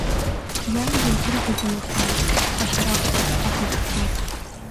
Иан диргәырӷьаӡом аԥа, ԥхашьараҵәҟьоуп, аха ишԥа!